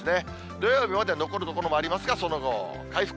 土曜日まで残る所もありますが、その後回復。